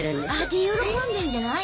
で喜んでんじゃない？